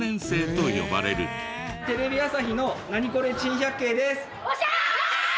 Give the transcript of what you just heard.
テレビ朝日の『ナニコレ珍百景』です。